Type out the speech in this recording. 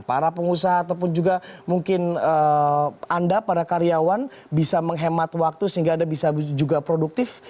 para pengusaha ataupun juga mungkin anda para karyawan bisa menghemat waktu sehingga anda bisa juga produktif